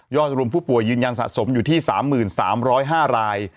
รวมผู้ป่วยยืนยันสะสมอยู่ที่๓๓๐๕ราย